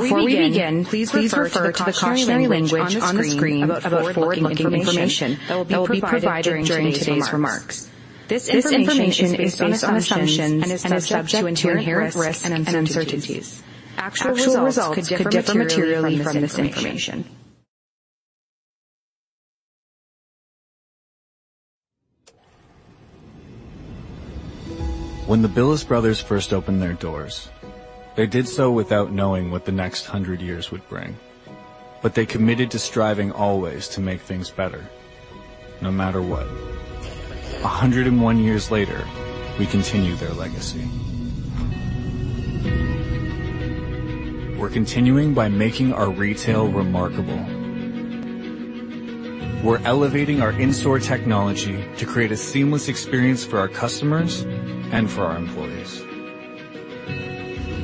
Before we begin, please refer to the current language on the screen for information that will be provided during today's remarks. This information is based on assumptions and is subject to inherent risks and uncertainties. Actual results could differ materially from this information. When the Billes brothers first opened their doors, they did so without knowing what the next 100 years would bring. But they committed to striving always to make things better, no matter what. 101 years later, we continue their legacy. We're continuing by making our retail remarkable. We're elevating our in-store technology to create a seamless experience for our customers and for our employees.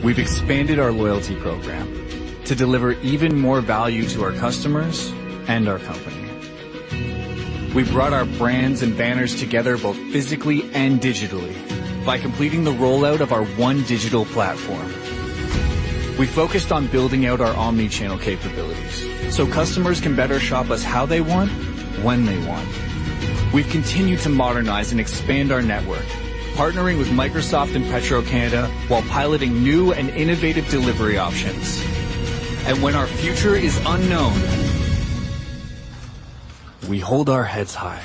We've expanded our loyalty program to deliver even more value to our customers and our company. We brought our brands and banners together both physically and digitally by completing the rollout of our one digital platform. We focused on building out our omnichannel capabilities so customers can better shop us how they want, when they want. We've continued to modernize and expand our network, partnering with Microsoft and Petro-Canada while piloting new and innovative delivery options. When our future is unknown, we hold our heads high.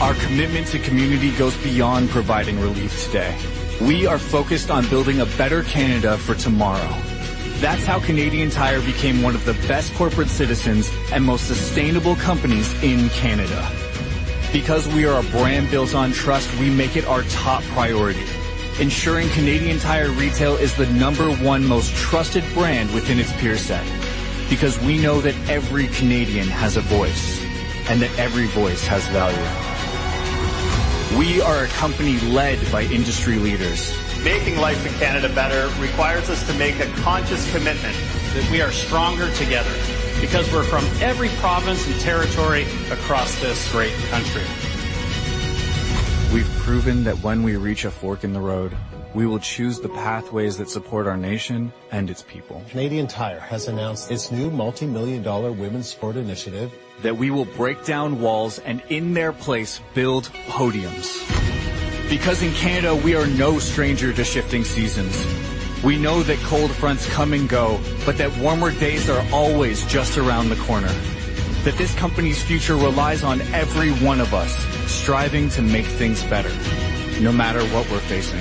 Our commitment to community goes beyond providing relief today. We are focused on building a better Canada for tomorrow. That's how Canadian Tire became one of the best corporate citizens and most sustainable companies in Canada. Because we are a brand built on trust, we make it our top priority, ensuring Canadian Tire Retail is the number one most trusted brand within its peer set. Because we know that every Canadian has a voice and that every voice has value. We are a company led by industry leaders. Making life in Canada better requires us to make a conscious commitment that we are stronger together because we're from every province and territory across this great country. We've proven that when we reach a fork in the road, we will choose the pathways that support our nation and its people. Canadian Tire has announced its new multimillion-dollar Women's Sport Initiative. That we will break down walls and, in their place, build podiums. Because in Canada, we are no stranger to shifting seasons. We know that cold fronts come and go, but that warmer days are always just around the corner. That this company's future relies on every one of us striving to make things better, no matter what we're facing.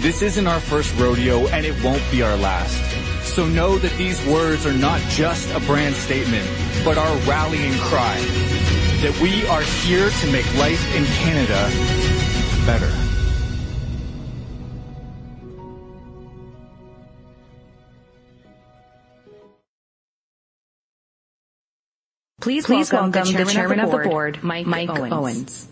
This isn't our first rodeo, and it won't be our last. So know that these words are not just a brand statement, but our rallying cry. That we are here to make life in Canada better. Please welcome the Chairman of the Board, Mike Owens.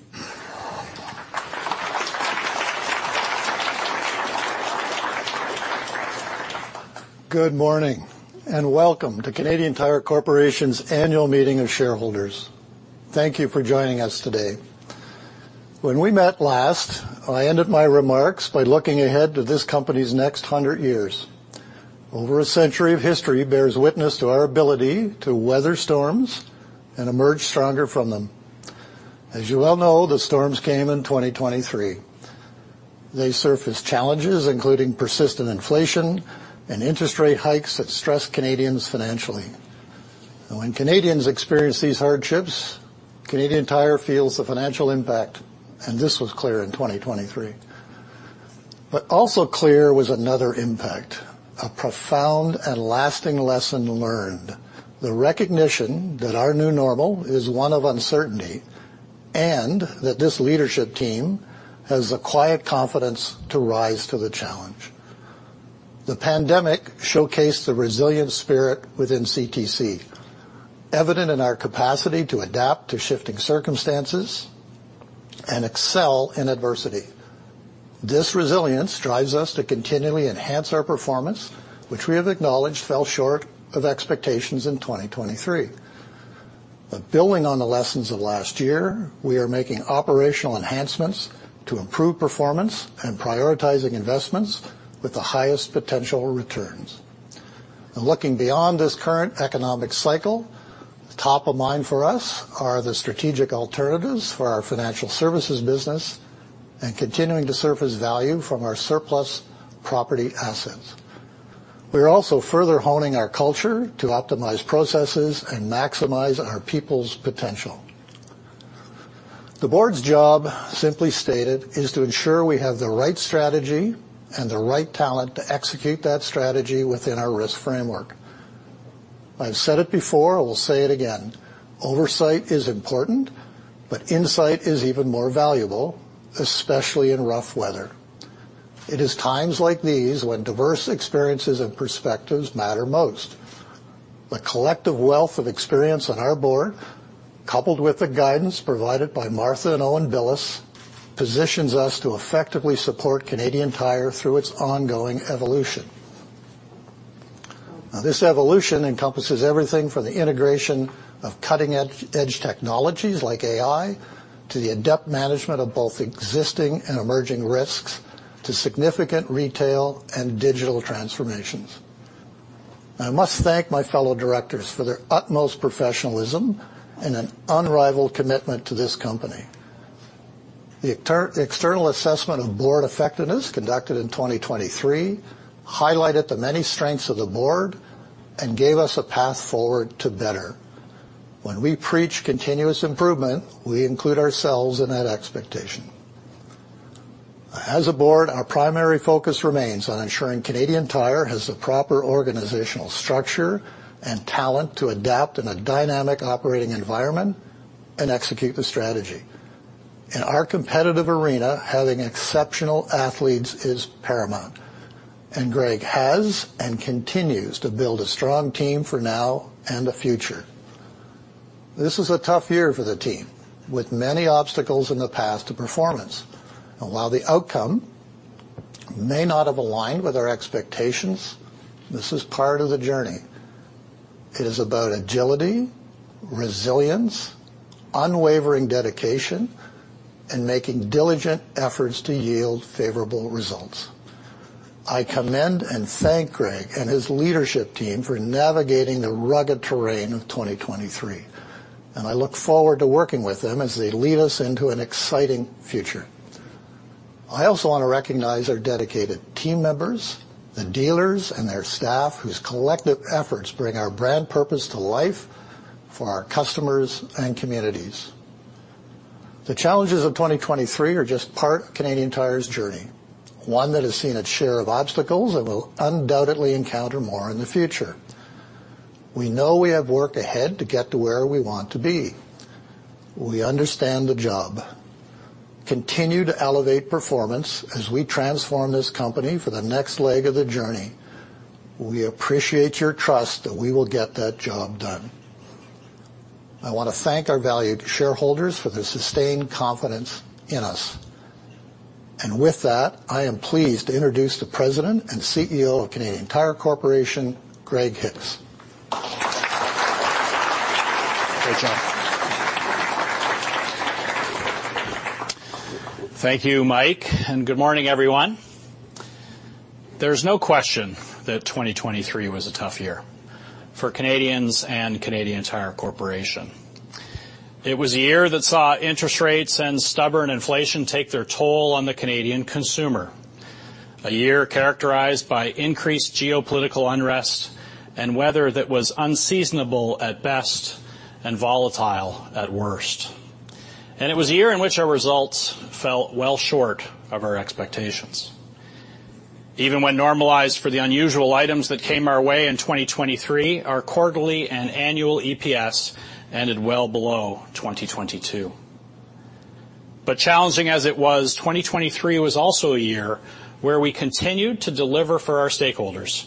Good morning and welcome to Canadian Tire Corporation's annual meeting of shareholders. Thank you for joining us today. When we met last, I ended my remarks by looking ahead to this company's next 100 years. Over a century of history bears witness to our ability to weather storms and emerge stronger from them. As you well know, the storms came in 2023. They surfaced challenges, including persistent inflation and interest rate hikes that stressed Canadians financially. And when Canadians experience these hardships, Canadian Tire feels the financial impact, and this was clear in 2023. But also clear was another impact, a profound and lasting lesson learned, the recognition that our new normal is one of uncertainty and that this leadership team has the quiet confidence to rise to the challenge. The pandemic showcased the resilient spirit within CTC, evident in our capacity to adapt to shifting circumstances and excel in adversity. This resilience drives us to continually enhance our performance, which we have acknowledged fell short of expectations in 2023. But building on the lessons of last year, we are making operational enhancements to improve performance and prioritizing investments with the highest potential returns. Looking beyond this current economic cycle, top of mind for us are the strategic alternatives for our financial services business and continuing to surface value from our surplus property assets. We are also further honing our culture to optimize processes and maximize our people's potential. The board's job, simply stated, is to ensure we have the right strategy and the right talent to execute that strategy within our risk framework. I've said it before, I will say it again. Oversight is important, but insight is even more valuable, especially in rough weather. It is times like these when diverse experiences and perspectives matter most. The collective wealth of experience on our board, coupled with the guidance provided by Martha and Owen Billes, positions us to effectively support Canadian Tire through its ongoing evolution. Now, this evolution encompasses everything from the integration of cutting-edge technologies like AI to the adept management of both existing and emerging risks to significant retail and digital transformations. I must thank my fellow directors for their utmost professionalism and an unrivaled commitment to this company. The external assessment of board effectiveness conducted in 2023 highlighted the many strengths of the board and gave us a path forward to better. When we preach continuous improvement, we include ourselves in that expectation. As a board, our primary focus remains on ensuring Canadian Tire has the proper organizational structure and talent to adapt in a dynamic operating environment and execute the strategy. In our competitive arena, having exceptional athletes is paramount. Greg has and continues to build a strong team for now and the future. This is a tough year for the team, with many obstacles in the path to performance. While the outcome may not have aligned with our expectations, this is part of the journey. It is about agility, resilience, unwavering dedication, and making diligent efforts to yield favorable results. I commend and thank Greg and his leadership team for navigating the rugged terrain of 2023. I look forward to working with them as they lead us into an exciting future. I also want to recognize our dedicated team members, the dealers, and their staff, whose collective efforts bring our brand purpose to life for our customers and communities. The challenges of 2023 are just part of Canadian Tire's journey, one that has seen its share of obstacles and will undoubtedly encounter more in the future. We know we have work ahead to get to where we want to be. We understand the job. Continue to elevate performance as we transform this company for the next leg of the journey. We appreciate your trust that we will get that job done. I want to thank our valued shareholders for their sustained confidence in us. With that, I am pleased to introduce the President and CEO of Canadian Tire Corporation, Greg Hicks. Thank you, Mike. Good morning, everyone. There's no question that 2023 was a tough year for Canadians and Canadian Tire Corporation. It was a year that saw interest rates and stubborn inflation take their toll on the Canadian consumer, a year characterized by increased geopolitical unrest and weather that was unseasonable at best and volatile at worst. It was a year in which our results fell well short of our expectations. Even when normalized for the unusual items that came our way in 2023, our quarterly and annual EPS ended well below 2022. Challenging as it was, 2023 was also a year where we continued to deliver for our stakeholders,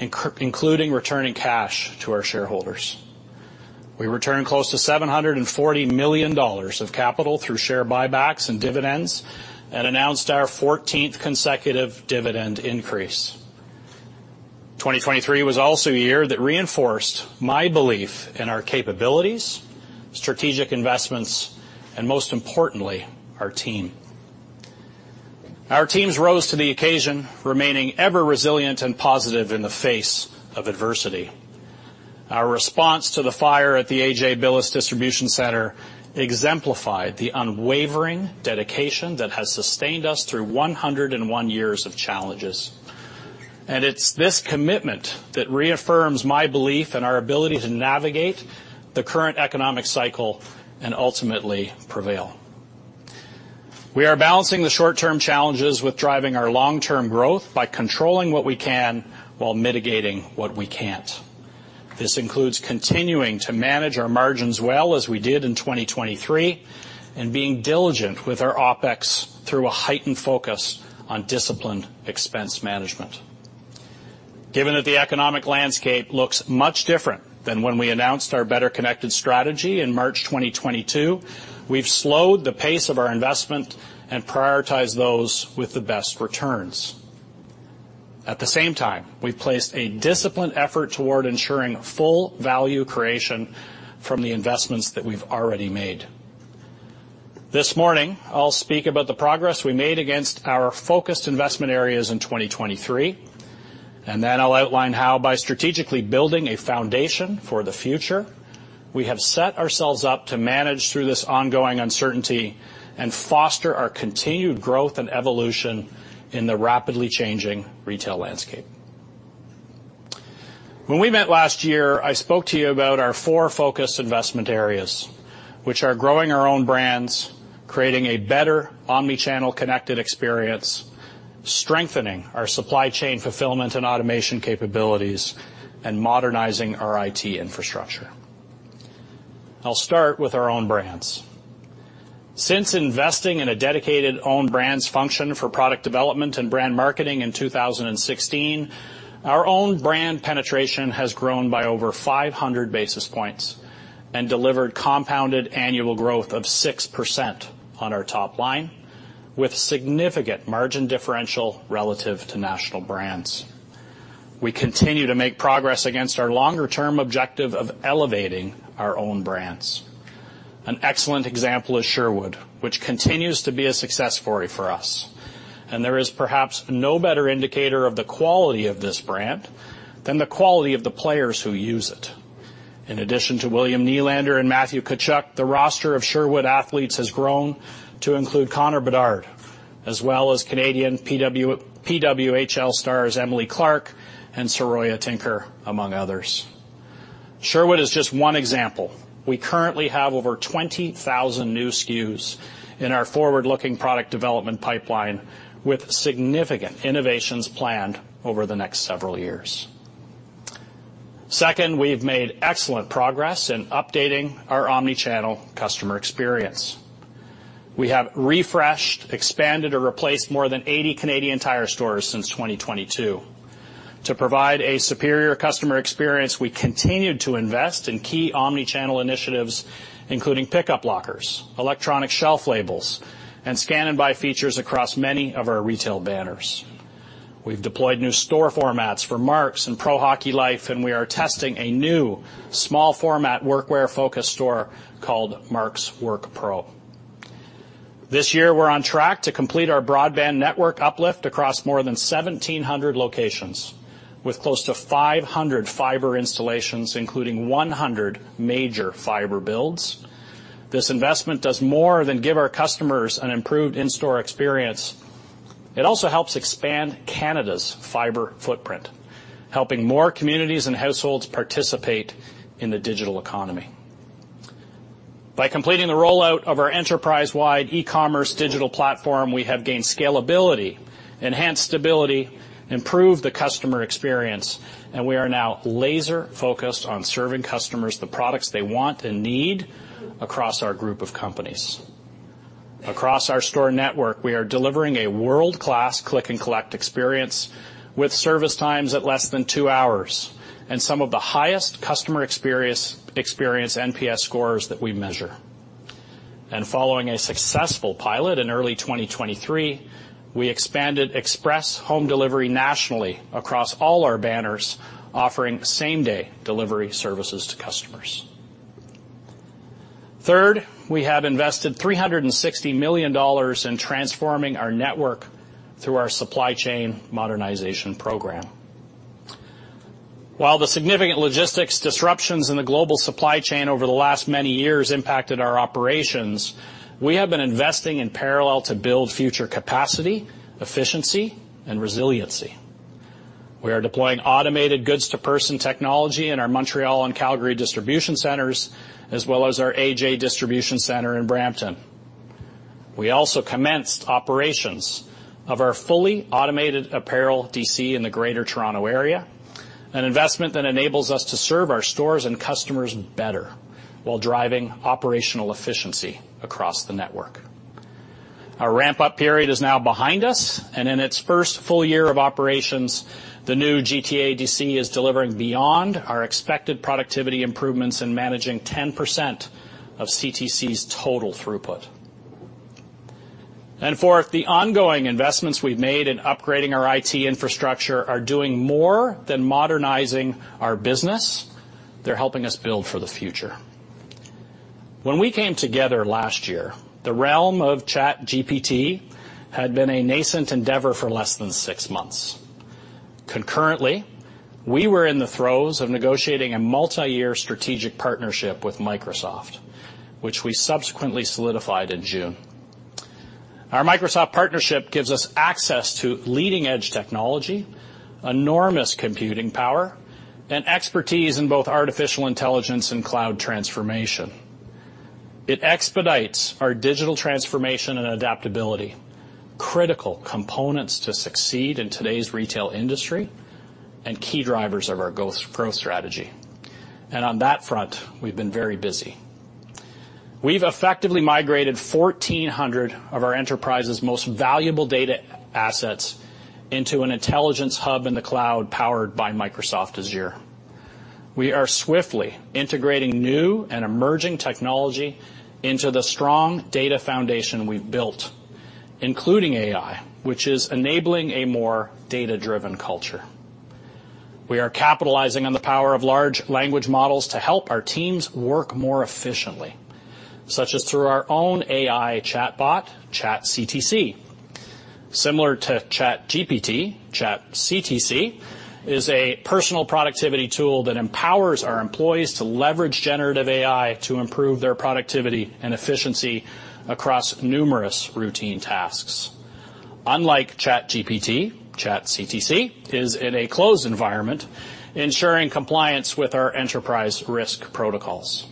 including returning cash to our shareholders. We returned close to 740 million dollars of capital through share buybacks and dividends and announced our 14th consecutive dividend increase. 2023 was also a year that reinforced my belief in our capabilities, strategic investments, and most importantly, our team. Our teams rose to the occasion, remaining ever resilient and positive in the face of adversity. Our response to the fire at the A.J. Billes Distribution Centre exemplified the unwavering dedication that has sustained us through 101 years of challenges. It's this commitment that reaffirms my belief in our ability to navigate the current economic cycle and ultimately prevail. We are balancing the short-term challenges with driving our long-term growth by controlling what we can while mitigating what we can't. This includes continuing to manage our margins well as we did in 2023 and being diligent with our OpEx through a heightened focus on disciplined expense management. Given that the economic landscape looks much different than when we announced our better-connected strategy in March 2022, we've slowed the pace of our investment and prioritized those with the best returns. At the same time, we've placed a disciplined effort toward ensuring full value creation from the investments that we've already made. This morning, I'll speak about the progress we made against our focused investment areas in 2023. And then I'll outline how, by strategically building a foundation for the future, we have set ourselves up to manage through this ongoing uncertainty and foster our continued growth and evolution in the rapidly changing retail landscape. When we met last year, I spoke to you about our four focused investment areas, which are growing our own brands, creating a better omnichannel connected experience, strengthening our supply chain fulfillment and automation capabilities, and modernizing our IT infrastructure. I'll start with our own brands. Since investing in a dedicated owned brands function for product development and brand marketing in 2016, our owned brand penetration has grown by over 500 basis points and delivered compounded annual growth of 6% on our top line, with significant margin differential relative to national brands. We continue to make progress against our longer-term objective of elevating our owned brands. An excellent example is Sherwood, which continues to be a success story for us. There is perhaps no better indicator of the quality of this brand than the quality of the players who use it. In addition to William Nylander and Matthew Tkachuk, the roster of Sherwood athletes has grown to include Connor Bedard, as well as Canadian PWHL stars Emily Clark and Saroya Tinker, among others. Sherwood is just one example. We currently have over 20,000 new SKUs in our forward-looking product development pipeline, with significant innovations planned over the next several years. Second, we've made excellent progress in updating our omnichannel customer experience. We have refreshed, expanded, or replaced more than 80 Canadian Tire stores since 2022. To provide a superior customer experience, we continued to invest in key omnichannel initiatives, including pickup lockers, electronic shelf labels, and scan-and-buy features across many of our retail banners. We've deployed new store formats for Mark's and Pro Hockey Life, and we are testing a new small-format workwear-focused store called Mark's WorkPro. This year, we're on track to complete our broadband network uplift across more than 1,700 locations, with close to 500 fiber installations, including 100 major fiber builds. This investment does more than give our customers an improved in-store experience. It also helps expand Canada's fiber footprint, helping more communities and households participate in the digital economy. By completing the rollout of our enterprise-wide e-commerce digital platform, we have gained scalability, enhanced stability, improved the customer experience, and we are now laser-focused on serving customers the products they want and need across our group of companies. Across our store network, we are delivering a world-class click-and-collect experience with service times at less than two hours and some of the highest customer experience NPS scores that we measure. Following a successful pilot in early 2023, we expanded express home delivery nationally across all our banners, offering same-day delivery services to customers. Third, we have invested 360 million dollars in transforming our network through our supply chain modernization program. While the significant logistics disruptions in the global supply chain over the last many years impacted our operations, we have been investing in parallel to build future capacity, efficiency, and resiliency. We are deploying automated goods-to-person technology in our Montreal and Calgary distribution centers, as well as our A.J. Distribution Centre in Brampton. We also commenced operations of our fully automated apparel DC in the Greater Toronto Area, an investment that enables us to serve our stores and customers better while driving operational efficiency across the network. Our ramp-up period is now behind us, and in its first full year of operations, the new GTA DC is delivering beyond our expected productivity improvements and managing 10% of CTC's total throughput. And fourth, the ongoing investments we've made in upgrading our IT infrastructure are doing more than modernizing our business. They're helping us build for the future. When we came together last year, the realm of ChatGPT had been a nascent endeavor for less than six months. Concurrently, we were in the throes of negotiating a multi-year strategic partnership with Microsoft, which we subsequently solidified in June. Our Microsoft partnership gives us access to leading-edge technology, enormous computing power, and expertise in both artificial intelligence and cloud transformation. It expedites our digital transformation and adaptability, critical components to succeed in today's retail industry and key drivers of our growth strategy. On that front, we've been very busy. We've effectively migrated 1,400 of our enterprise's most valuable data assets into an intelligence hub in the cloud powered by Microsoft Azure. We are swiftly integrating new and emerging technology into the strong data foundation we've built, including AI, which is enabling a more data-driven culture. We are capitalizing on the power of large language models to help our teams work more efficiently, such as through our own AI chatbot, ChatCTC. Similar to ChatGPT, ChatCTC is a personal productivity tool that empowers our employees to leverage generative AI to improve their productivity and efficiency across numerous routine tasks. Unlike ChatGPT, ChatCTC is in a closed environment, ensuring compliance with our enterprise risk protocols.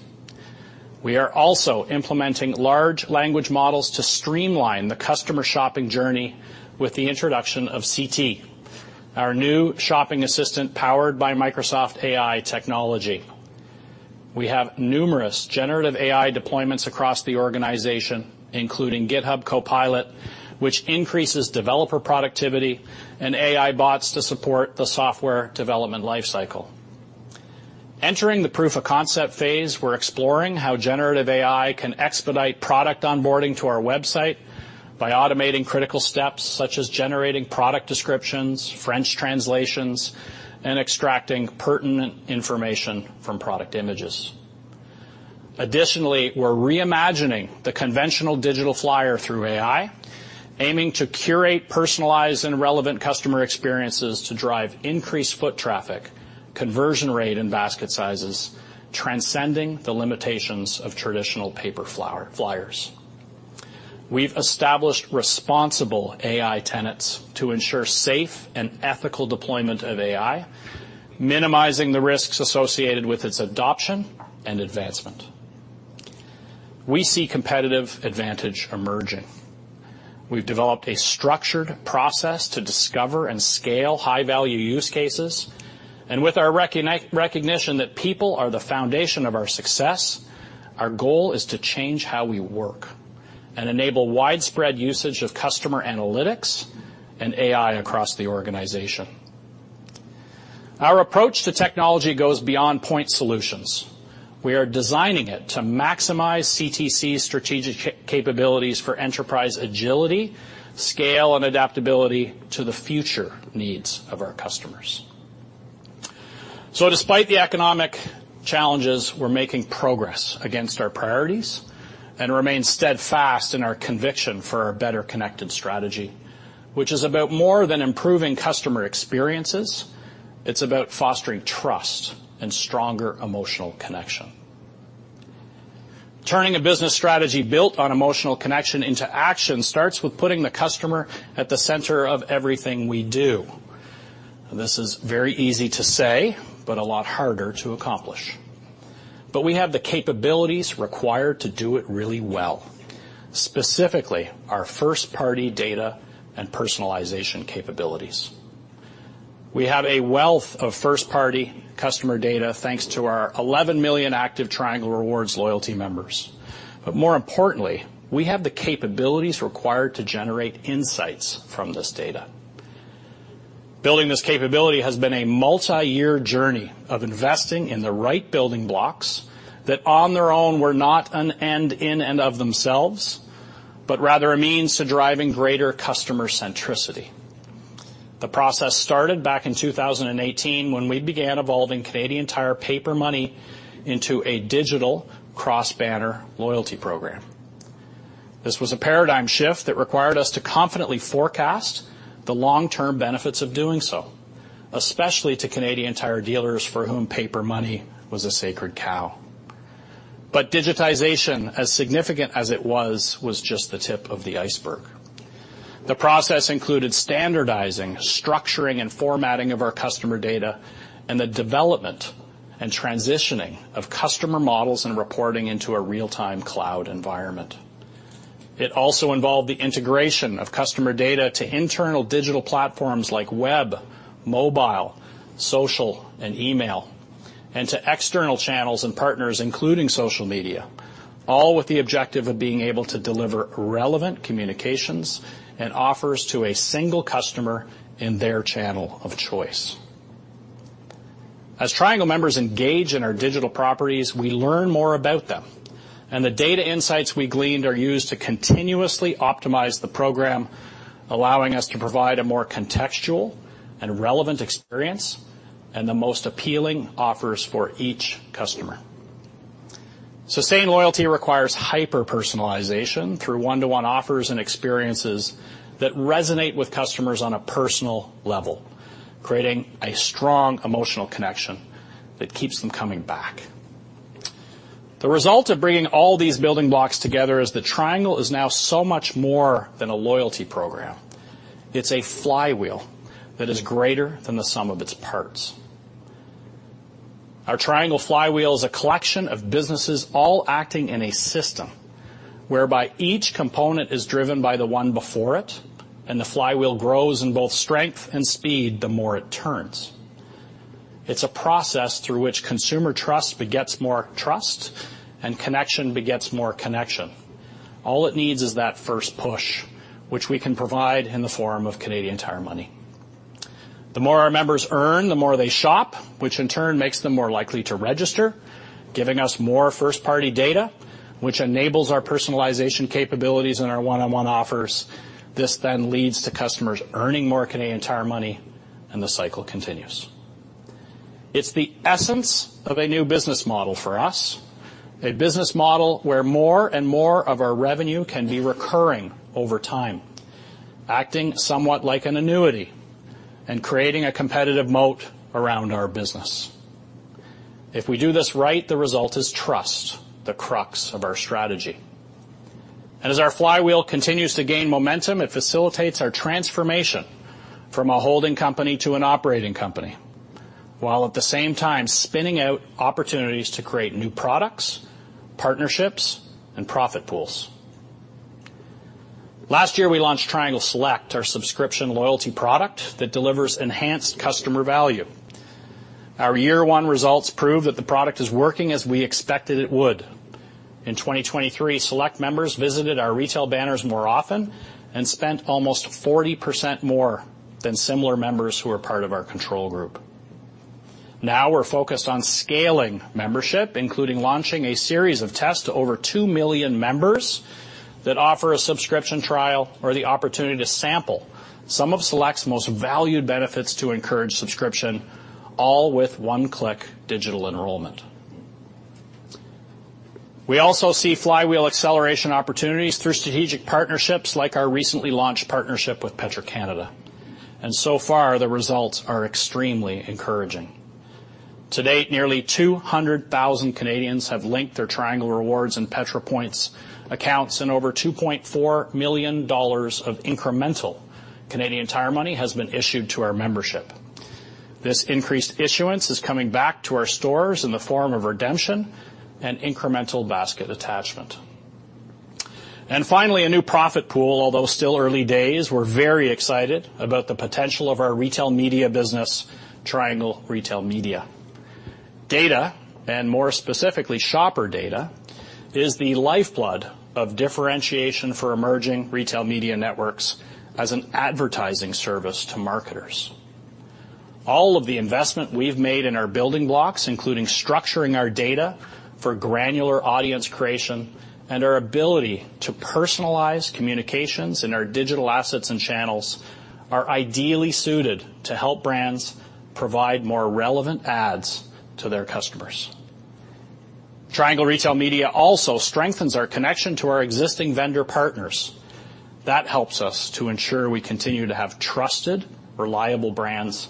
We are also implementing large language models to streamline the customer shopping journey with the introduction of CT, our new shopping assistant powered by Microsoft AI technology. We have numerous generative AI deployments across the organization, including GitHub Copilot, which increases developer productivity, and AI bots to support the software development lifecycle. Entering the proof-of-concept phase, we're exploring how generative AI can expedite product onboarding to our website by automating critical steps such as generating product descriptions, French translations, and extracting pertinent information from product images. Additionally, we're reimagining the conventional digital flyer through AI, aiming to curate personalized and relevant customer experiences to drive increased foot traffic, conversion rate, and basket sizes, transcending the limitations of traditional paper flyers. We've established responsible AI tenets to ensure safe and ethical deployment of AI, minimizing the risks associated with its adoption and advancement. We see competitive advantage emerging. We've developed a structured process to discover and scale high-value use cases. With our recognition that people are the foundation of our success, our goal is to change how we work and enable widespread usage of customer analytics and AI across the organization. Our approach to technology goes beyond point solutions. We are designing it to maximize CTC's strategic capabilities for enterprise agility, scale, and adaptability to the future needs of our customers. So despite the economic challenges, we're making progress against our priorities and remain steadfast in our conviction for a better connected strategy, which is about more than improving customer experiences. It's about fostering trust and stronger emotional connection. Turning a business strategy built on emotional connection into action starts with putting the customer at the center of everything we do. This is very easy to say, but a lot harder to accomplish. But we have the capabilities required to do it really well, specifically our first-party data and personalization capabilities. We have a wealth of first-party customer data thanks to our 11 million active Triangle Rewards loyalty members. But more importantly, we have the capabilities required to generate insights from this data. Building this capability has been a multi-year journey of investing in the right building blocks that, on their own, were not an end in and of themselves, but rather a means to driving greater customer centricity. The process started back in 2018 when we began evolving Canadian Tire paper money into a digital cross-banner loyalty program. This was a paradigm shift that required us to confidently forecast the long-term benefits of doing so, especially to Canadian Tire dealers for whom paper money was a sacred cow. But digitization, as significant as it was, was just the tip of the iceberg. The process included standardizing, structuring, and formatting of our customer data, and the development and transitioning of customer models and reporting into a real-time cloud environment. It also involved the integration of customer data to internal digital platforms like web, mobile, social, and email, and to external channels and partners, including social media, all with the objective of being able to deliver relevant communications and offers to a single customer in their channel of choice. As Triangle members engage in our digital properties, we learn more about them, and the data insights we gleaned are used to continuously optimize the program, allowing us to provide a more contextual and relevant experience and the most appealing offers for each customer. Sustained loyalty requires hyper-personalization through one-to-one offers and experiences that resonate with customers on a personal level, creating a strong emotional connection that keeps them coming back. The result of bringing all these building blocks together is that Triangle is now so much more than a loyalty program. It's a flywheel that is greater than the sum of its parts. Our Triangle flywheel is a collection of businesses all acting in a system whereby each component is driven by the one before it, and the flywheel grows in both strength and speed the more it turns. It's a process through which consumer trust begets more trust, and connection begets more connection. All it needs is that first push, which we can provide in the form of Canadian Tire Money. The more our members earn, the more they shop, which in turn makes them more likely to register, giving us more first-party data, which enables our personalization capabilities and our one-on-one offers. This then leads to customers earning more Canadian Tire Money, and the cycle continues. It's the essence of a new business model for us, a business model where more and more of our revenue can be recurring over time, acting somewhat like an annuity and creating a competitive moat around our business. If we do this right, the result is trust, the crux of our strategy. As our flywheel continues to gain momentum, it facilitates our transformation from a holding company to an operating company while at the same time spinning out opportunities to create new products, partnerships, and profit pools. Last year, we launched Triangle Select, our subscription loyalty product that delivers enhanced customer value. Our year-one results proved that the product is working as we expected it would. In 2023, Select members visited our retail banners more often and spent almost 40% more than similar members who are part of our control group. Now we're focused on scaling membership, including launching a series of tests to over two million members that offer a subscription trial or the opportunity to sample some of Select's most valued benefits to encourage subscription, all with one-click digital enrollment. We also see flywheel acceleration opportunities through strategic partnerships like our recently launched partnership with Petro-Canada. And so far, the results are extremely encouraging. To date, nearly 200,000 Canadians have linked their Triangle Rewards and Petro-Points accounts, and over 2.4 million dollars of incremental Canadian Tire money has been issued to our membership. This increased issuance is coming back to our stores in the form of redemption and incremental basket attachment. And finally, a new profit pool, although still early days. We're very excited about the potential of our retail media business, Triangle Retail Media. Data, and more specifically shopper data, is the lifeblood of differentiation for emerging retail media networks as an advertising service to marketers. All of the investment we've made in our building blocks, including structuring our data for granular audience creation and our ability to personalize communications in our digital assets and channels, are ideally suited to help brands provide more relevant ads to their customers. Triangle Retail Media also strengthens our connection to our existing vendor partners. That helps us to ensure we continue to have trusted, reliable brands,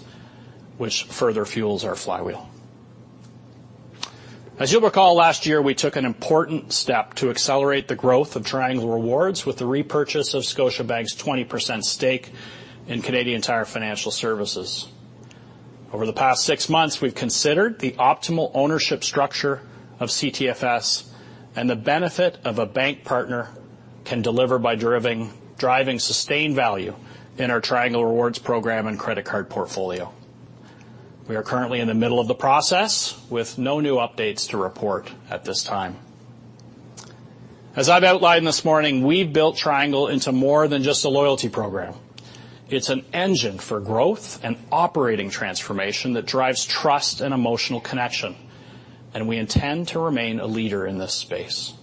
which further fuels our flywheel. As you'll recall, last year we took an important step to accelerate the growth of Triangle Rewards with the repurchase of Scotiabank's 20% stake in Canadian Tire Financial Services. Over the past six months, we've considered the optimal ownership structure of CTFS and the benefit of a bank partner can deliver by driving sustained value in our Triangle Rewards program and credit card portfolio. We are currently in the middle of the process with no new updates to report at this time. As I've outlined this morning, we've built Triangle into more than just a loyalty program. It's an engine for growth and operating transformation that drives trust and emotional connection, and we intend to remain a leader in this space.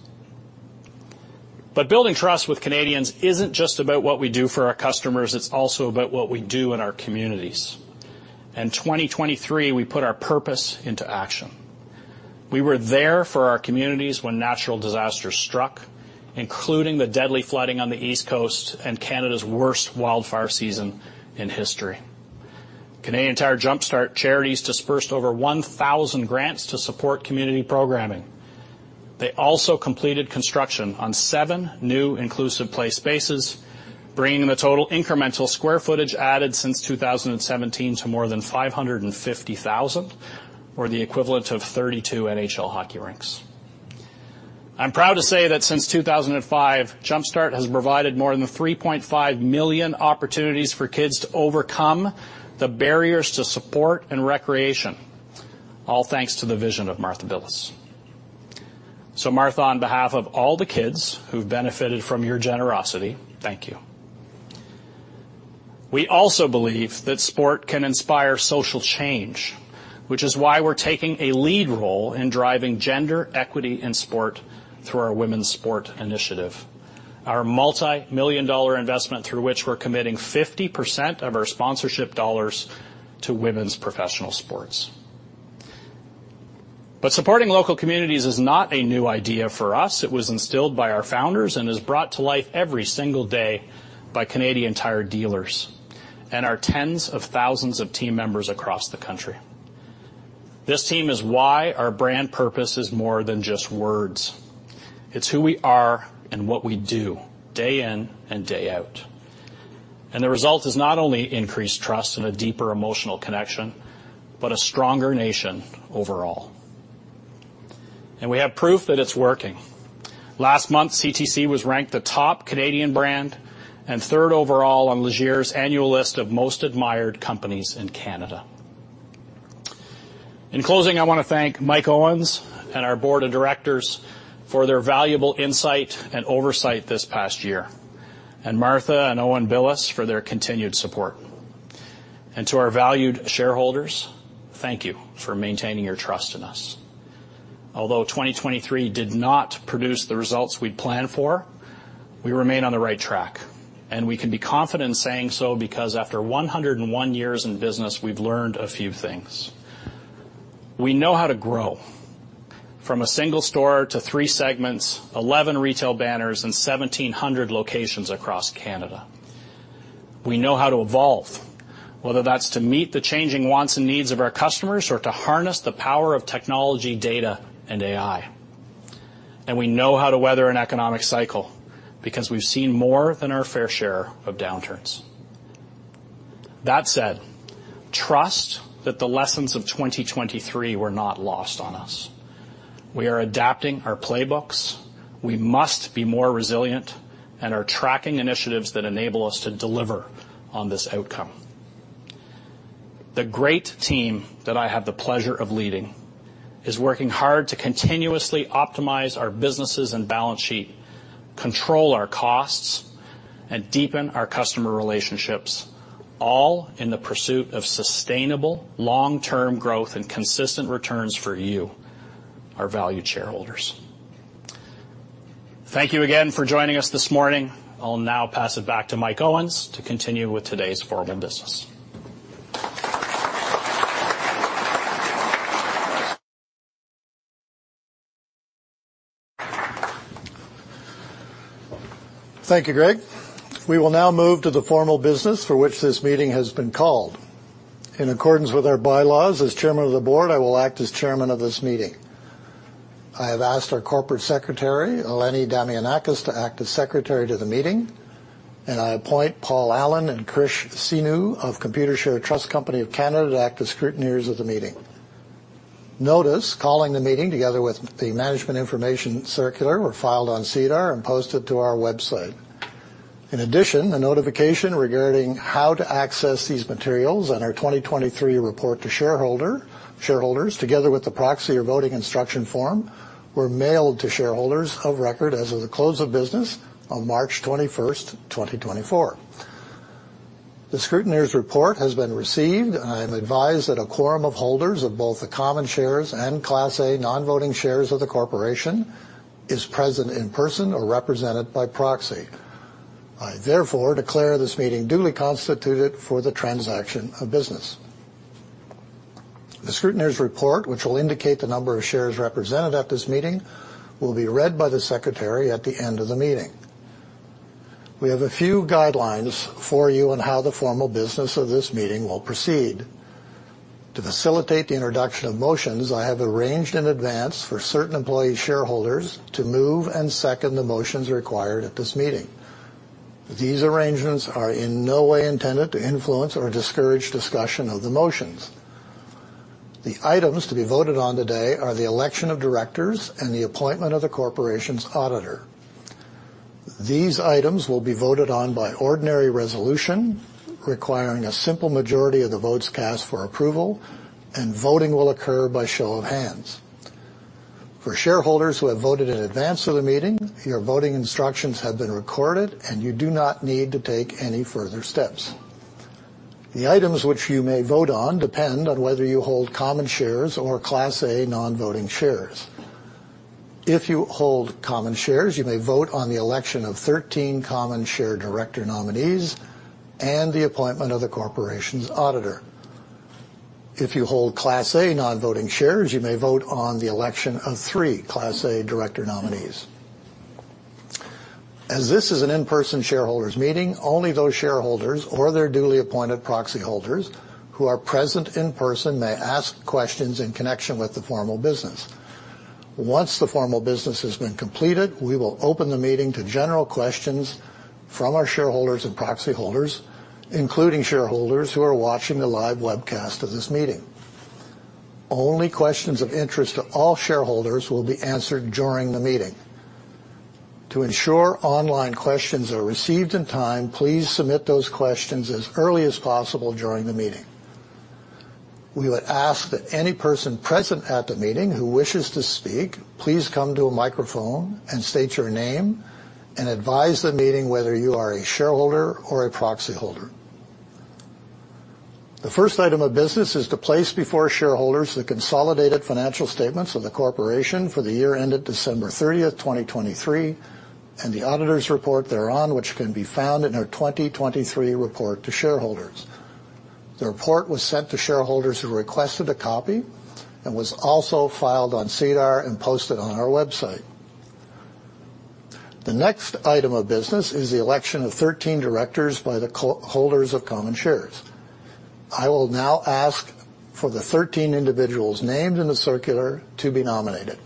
But building trust with Canadians isn't just about what we do for our customers. It's also about what we do in our communities. In 2023, we put our purpose into action. We were there for our communities when natural disasters struck, including the deadly flooding on the East Coast and Canada's worst wildfire season in history. Canadian Tire Jumpstart Charities disbursed over 1,000 grants to support community programming. They also completed construction on seven new inclusive play spaces, bringing the total incremental square footage added since 2017 to more than 550,000, or the equivalent of 32 NHL hockey rinks. I'm proud to say that since 2005, Jumpstart has provided more than 3.5 million opportunities for kids to overcome the barriers to support and recreation, all thanks to the vision of Martha Billes. So Martha, on behalf of all the kids who've benefited from your generosity, thank you. We also believe that sport can inspire social change, which is why we're taking a lead role in driving gender equity in sport through our Women's Sport Initiative, our multimillion-dollar investment through which we're committing 50% of our sponsorship dollars to women's professional sports. Supporting local communities is not a new idea for us. It was instilled by our founders and is brought to life every single day by Canadian Tire dealers and our tens of thousands of team members across the country. This team is why our brand purpose is more than just words. It's who we are and what we do day in and day out. And the result is not only increased trust and a deeper emotional connection, but a stronger nation overall. And we have proof that it's working. Last month, CTC was ranked the top Canadian brand and third overall on Leger's annual list of most admired companies in Canada. In closing, I want to thank Mike Owens and our board of directors for their valuable insight and oversight this past year, and Martha and Owen Billes for their continued support. And to our valued shareholders, thank you for maintaining your trust in us. Although 2023 did not produce the results we'd planned for, we remain on the right track, and we can be confident saying so because after 101 years in business, we've learned a few things. We know how to grow from a single store to three segments, 11 retail banners, and 1,700 locations across Canada. We know how to evolve, whether that's to meet the changing wants and needs of our customers or to harness the power of technology, data, and AI. And we know how to weather an economic cycle because we've seen more than our fair share of downturns. That said, trust that the lessons of 2023 were not lost on us. We are adapting our playbooks. We must be more resilient and are tracking initiatives that enable us to deliver on this outcome. The great team that I have the pleasure of leading is working hard to continuously optimize our businesses and balance sheet, control our costs, and deepen our customer relationships, all in the pursuit of sustainable, long-term growth and consistent returns for you, our valued shareholders. Thank you again for joining us this morning. I'll now pass it back to Mike Owens to continue with today's formal business. Thank you, Greg. We will now move to the formal business for which this meeting has been called. In accordance with our bylaws, as chairman of the board, I will act as chairman of this meeting. I have asked our corporate secretary, Eleni Damianakis, to act as secretary to the meeting, and I appoint Paul Allen and Chris Sinu of Computershare Trust Company of Canada to act as scrutineers of the meeting. Notice calling the meeting together with the management information circular were filed on SEDAR and posted to our website. In addition, a notification regarding how to access these materials and our 2023 report to shareholders, together with the proxy or voting instruction form, were mailed to shareholders of record as of the close of business on March 21st, 2024. The scrutineer's report has been received. I am advised that a quorum of holders of both the common shares and Class A non-voting shares of the corporation is present in person or represented by proxy. I therefore declare this meeting duly constituted for the transaction of business. The scrutineer's report, which will indicate the number of shares represented at this meeting, will be read by the secretary at the end of the meeting. We have a few guidelines for you on how the formal business of this meeting will proceed. To facilitate the introduction of motions, I have arranged in advance for certain employee shareholders to move and second the motions required at this meeting. These arrangements are in no way intended to influence or discourage discussion of the motions. The items to be voted on today are the election of directors and the appointment of the corporation's auditor. These items will be voted on by ordinary resolution requiring a simple majority of the votes cast for approval, and voting will occur by show of hands. For shareholders who have voted in advance of the meeting, your voting instructions have been recorded, and you do not need to take any further steps. The items which you may vote on depend on whether you hold common shares or Class A non-voting shares. If you hold common shares, you may vote on the election of 13 common share director nominees and the appointment of the corporation's auditor. If you hold Class A non-voting shares, you may vote on the election of three Class A director nominees. As this is an in-person shareholders' meeting, only those shareholders or their duly appointed proxy holders who are present in person may ask questions in connection with the formal business. Once the formal business has been completed, we will open the meeting to general questions from our shareholders and proxy holders, including shareholders who are watching the live webcast of this meeting. Only questions of interest to all shareholders will be answered during the meeting. To ensure online questions are received in time, please submit those questions as early as possible during the meeting. We would ask that any person present at the meeting who wishes to speak, please come to a microphone and state your name and advise the meeting whether you are a shareholder or a proxy holder. The first item of business is to place before shareholders the consolidated financial statements of the corporation for the year ended December 30th, 2023, and the auditor's report thereon, which can be found in our 2023 report to shareholders. The report was sent to shareholders who requested a copy and was also filed on SEDAR and posted on our website. The next item of business is the election of 13 directors by the holders of common shares. I will now ask for the 13 individuals named in the circular to be nominated.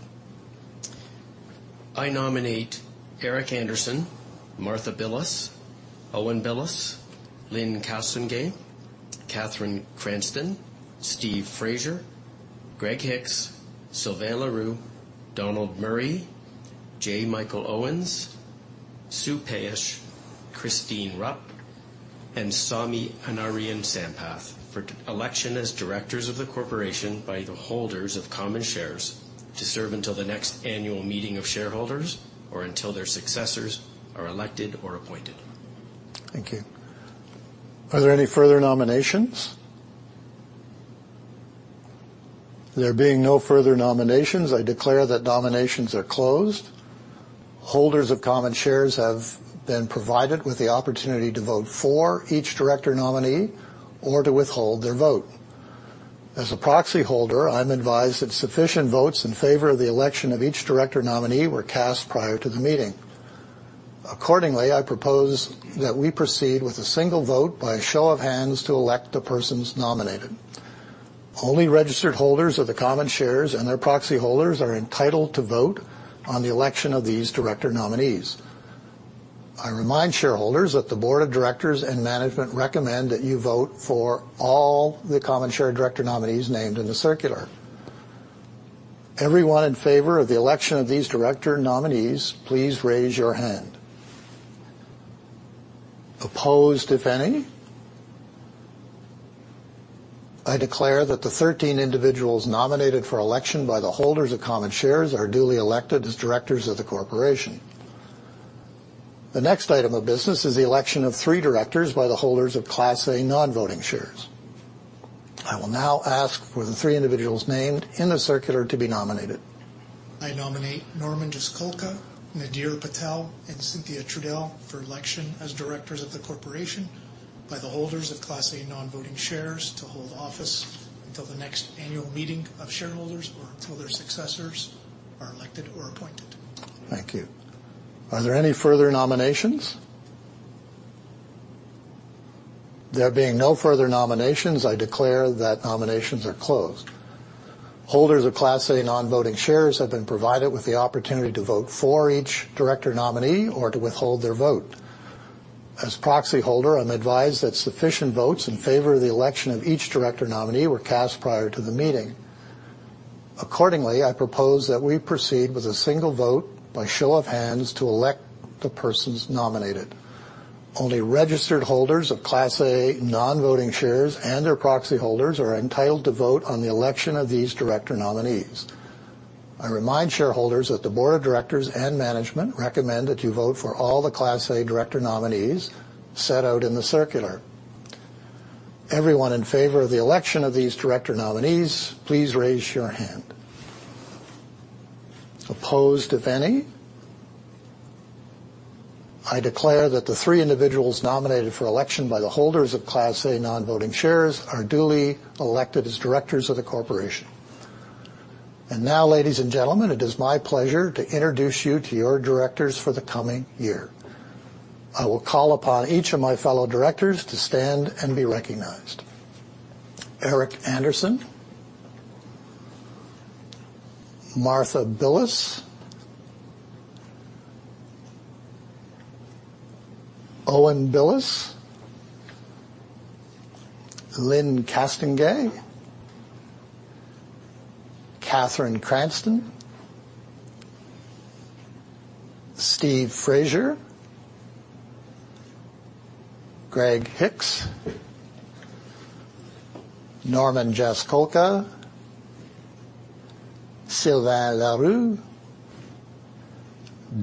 I nominate Eric Anderson, Martha Billes, Owen Billes, Lyne Castonguay, Cathryn Cranston, Steve Frazier, Greg Hicks, Sylvain Leroux, Donald Murray, J. Michael Owens, Sue Paish, Christine Rupp, and Sowmyanarayan Sampath for election as directors of the corporation by the holders of common shares to serve until the next annual meeting of shareholders or until their successors are elected or appointed. Thank you. Are there any further nominations? There being no further nominations, I declare that nominations are closed. Holders of common shares have been provided with the opportunity to vote for each director nominee or to withhold their vote. As a proxy holder, I'm advised that sufficient votes in favor of the election of each director nominee were cast prior to the meeting. Accordingly, I propose that we proceed with a single vote by a show of hands to elect the persons nominated. Only registered holders of the common shares and their proxy holders are entitled to vote on the election of these director nominees. I remind shareholders that the board of directors and management recommend that you vote for all the common share director nominees named in the circular. Everyone in favor of the election of these director nominees, please raise your hand. Opposed, if any? I declare that the 13 individuals nominated for election by the holders of common shares are duly elected as directors of the corporation. The next item of business is the election of three directors by the holders of Class A non-voting shares. I will now ask for the three individuals named in the circular to be nominated. I nominate Norman Jaskolka, Nadir Patel, and Cynthia Trudell for election as directors of the corporation by the holders of Class A non-voting shares to hold office until the next annual meeting of shareholders or until their successors are elected or appointed. Thank you. Are there any further nominations? There being no further nominations, I declare that nominations are closed. Holders of Class A non-voting shares have been provided with the opportunity to vote for each director nominee or to withhold their vote. As proxy holder, I'm advised that sufficient votes in favor of the election of each director nominee were cast prior to the meeting. Accordingly, I propose that we proceed with a single vote by show of hands to elect the persons nominated. Only registered holders of Class A non-voting shares and their proxy holders are entitled to vote on the election of these director nominees. I remind shareholders that the board of directors and management recommend that you vote for all the Class A director nominees set out in the circular. Everyone in favor of the election of these director nominees, please raise your hand. Opposed, if any? I declare that the three individuals nominated for election by the holders of Class A non-voting shares are duly elected as directors of the corporation. And now, ladies and gentlemen, it is my pleasure to introduce you to your directors for the coming year. I will call upon each of my fellow directors to stand and be recognized. Eric Anderson. Martha Billes. Owen Billes. Lyne Castonguay. Cathryn Cranston. Steve Frazier. Greg Hicks. Norman Jaskolka. Sylvain Leroux.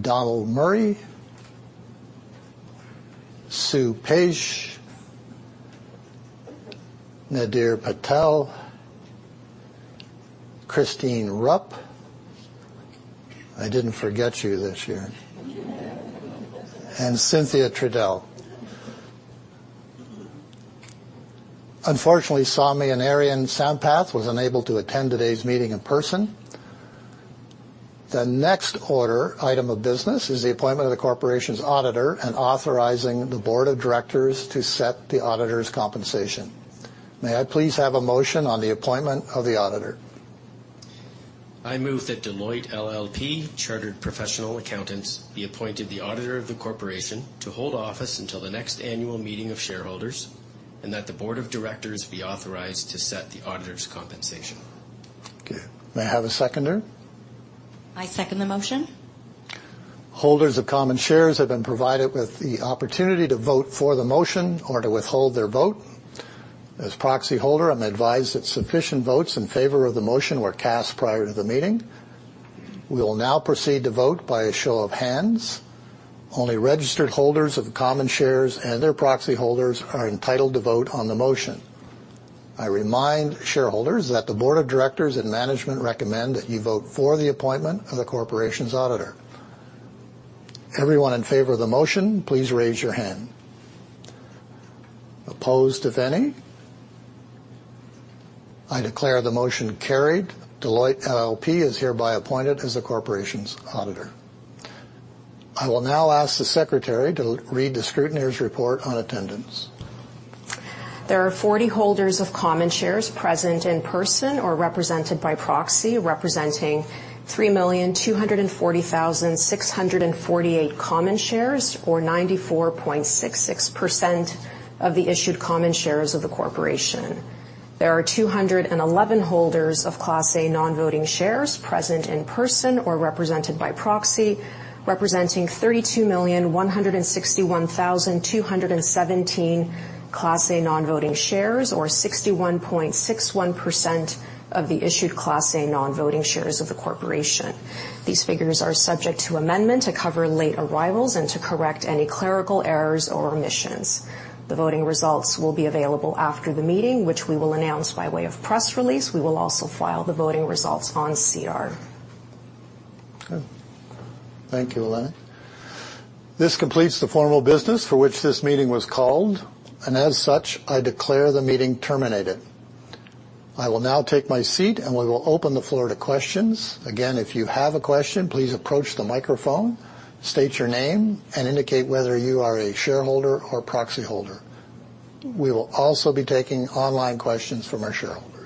Donald Murray. Sue Paish. Nadir Patel. Christine Rupp. I didn't forget you this year. And Cynthia Trudell. Unfortunately, Sowmyanarayan Sampath was unable to attend today's meeting in person. The next order item of business is the appointment of the corporation's auditor and authorizing the board of directors to set the auditor's compensation. May I please have a motion on the appointment of the auditor? I move that Deloitte LLP, Chartered Professional Accountants, be appointed the auditor of the corporation to hold office until the next annual meeting of shareholders and that the board of directors be authorized to set the auditor's compensation. Okay. May I have a seconder? I second the motion. Holders of common shares have been provided with the opportunity to vote for the motion or to withhold their vote. As proxy holder, I'm advised that sufficient votes in favor of the motion were cast prior to the meeting. We will now proceed to vote by a show of hands. Only registered holders of common shares and their proxy holders are entitled to vote on the motion. I remind shareholders that the board of directors and management recommend that you vote for the appointment of the corporation's auditor. Everyone in favor of the motion, please raise your hand. Opposed, if any? I declare the motion carried. Deloitte LLP is hereby appointed as the corporation's auditor. I will now ask the secretary to read the scrutineer's report on attendance. There are 40 holders of common shares present in person or represented by proxy, representing 3,240,648 common shares or 94.66% of the issued common shares of the corporation. There are 211 holders of Class A non-voting shares present in person or represented by proxy, representing 32,161,217 Class A non-voting shares or 61.61% of the issued Class A non-voting shares of the corporation. These figures are subject to amendment to cover late arrivals and to correct any clerical errors or omissions. The voting results will be available after the meeting, which we will announce by way of press release. We will also file the voting results on SEDAR. Okay. Thank you, Eleni. This completes the formal business for which this meeting was called, and as such, I declare the meeting terminated. I will now take my seat, and we will open the floor to questions. Again, if you have a question, please approach the microphone, state your name, and indicate whether you are a shareholder or proxy holder. We will also be taking online questions from our shareholders. Thank you.